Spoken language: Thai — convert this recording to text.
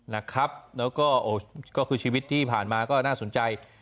แล้วก็ก็คือชีวิตที่ผ่านมาก็น่าสนใจ